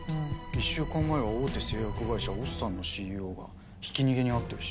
１週間前は大手製薬会社オッサンのＣＥＯがひき逃げに遭ってるし。